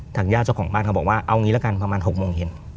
ญาติเจ้าของบ้านเขาบอกว่าเอางี้ละกันประมาณ๖โมงเย็น